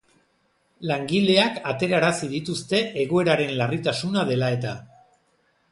Langileak aterarazi dituzte egoeraren larritasuna dela eta.